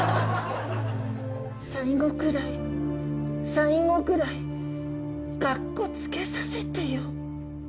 最後くらい最後くらいかっこつけさせてよ。